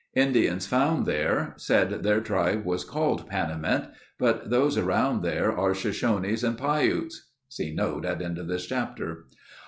Indians found there said their tribe was called Panamint, but those around there are Shoshones and Piutes. (See note at end of this chapter.)